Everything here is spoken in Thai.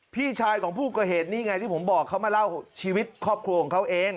พี่ชายของผู้ก่อเหตุนี่ไงที่ผมบอกเขามาเล่าชีวิตครอบครัวของเขาเอง